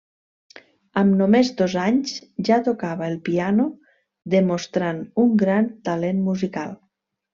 Amb només dos anys ja tocava el piano, demostrant un gran talent musical.